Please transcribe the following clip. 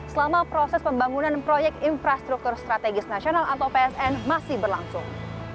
selama proses pembangunan proyek infrastruktur strategis nasional atau psn masih berlangsung